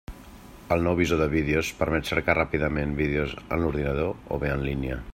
El nou visor de vídeos permet cercar ràpidament vídeos en l'ordinador o bé en línia.